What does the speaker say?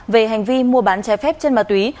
về hành vi mua bán trái phép chân ma túy